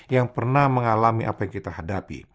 yang pernah mengalami apa yang kita hadapi